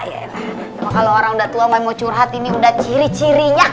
kalau orang udah tua mau curhat ini udah ciri cirinya